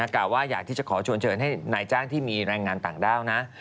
กล่าวว่าอยากที่จะขอชวนเชิญให้นายจ้างที่มีแรงงานต่างด้าวนะ